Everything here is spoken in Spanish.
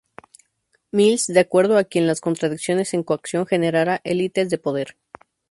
Mills de acuerdo a quien las contradicciones o coacción genera "elites del poder".